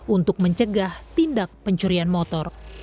untuk mencegah tindak pencurian motor